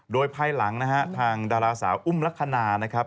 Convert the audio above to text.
โดยภายหลังนะฮะทางดาราสาวอุ้มลักษณะนะครับ